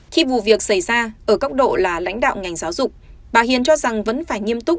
khi vụ việc xảy ra ở góc độ là lãnh đạo ngành giáo dục bà hiền cho rằng vẫn phải nghiêm túc